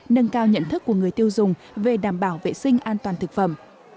nâng cao nhận thức của người tiêu dùng về đảm bảo vệ sinh an toàn thực phẩm